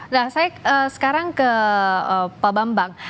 nah saya sekarang ke pak bambang